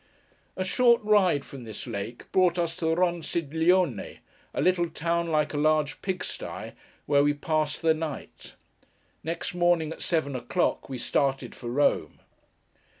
A short ride from this lake, brought us to Ronciglione; a little town like a large pig sty, where we passed the night. Next morning at seven o'clock, we started for Rome.